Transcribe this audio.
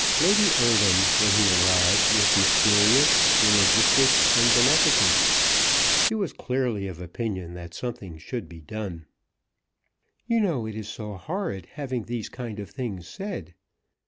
Lady Eardham when he arrived was mysterious, eulogistic, and beneficent. She was clearly of opinion that something should be done. "You know it is so horrid having these kind of things said."